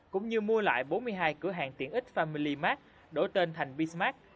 cũng như mua lại bốn mươi hai cửa hàng tiện ích family mart đổi tên thành bismarck